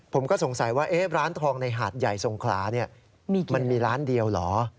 ผมก็สงสัยว่าร้านทองในหาดใหญ่สงขลาเนี่ยมันมีร้านเดียวเหรอ